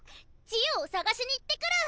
ジオを捜しに行ってくる！